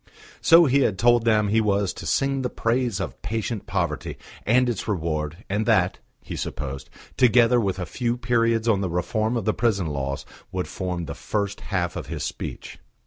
So he had told them he was to sing the praise of patient poverty and its reward, and that, he supposed, together with a few periods on the reform of the prison laws, would form the first half of his speech.